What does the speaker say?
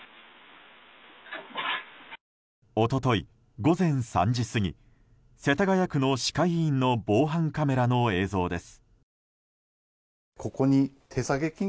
一昨日午前３時過ぎ世田谷区の歯科医院の防犯カメラの映像です。